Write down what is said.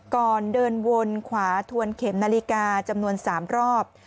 ก่อนเดินวนขวาทวนเข็มนาฬิกาจำนวน๓รอบ